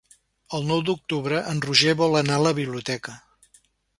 El nou d'octubre en Roger vol anar a la biblioteca.